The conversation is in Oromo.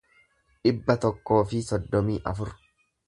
dhibba tokkoo fi soddomii afur